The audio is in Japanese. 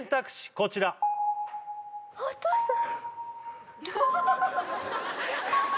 こちらお父さん！